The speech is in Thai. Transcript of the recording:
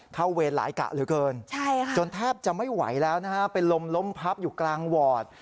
เวรหลายกะเหลือเกินจนแทบจะไม่ไหวแล้วนะฮะเป็นลมล้มพับอยู่กลางวอร์ด